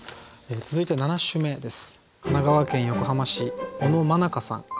続いて７首目です。